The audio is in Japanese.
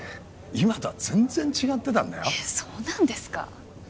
今とは全然違ってたんだよえっそうなんですか？